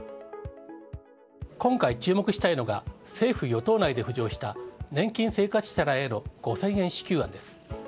今回、注目したいのが、政府・与党内で浮上した、年金生活者らへの５０００円支給案です。